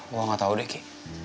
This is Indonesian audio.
gue gak tau deh ki